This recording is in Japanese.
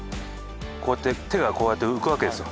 こうやって手がこうやって浮くわけですよ。